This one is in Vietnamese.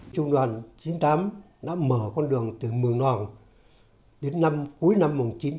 trung đoàn chín mươi tám đã mở con đường từ mường nòng đến cuối năm một nghìn chín trăm bảy mươi